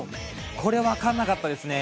これはわからなかったですね。